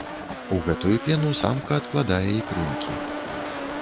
У гэтую пену самка адкладае ікрынкі.